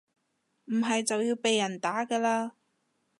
唔係就要被人打㗎喇